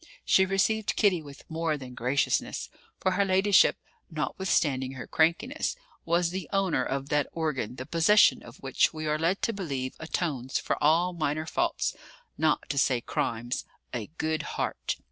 She received Kitty with more than graciousness; for her ladyship, notwithstanding her crankiness, was the owner of that organ the possession of which we are led to believe atones for all minor faults, not to say crimes a "good heart."